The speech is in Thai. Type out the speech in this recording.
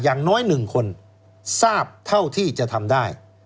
อย่างน้อย๑คนทราบเท่าที่จะทำได้